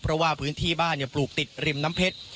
เพราะว่าพื้นที่บ้านปลูกติดริมน้ำเพชร